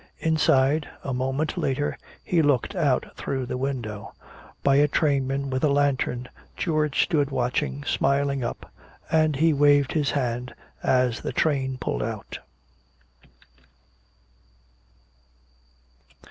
Inside, a moment later, he looked out through the window. By a trainman with a lantern, George stood watching, smiling up, and he waved his hand as the train pulled out.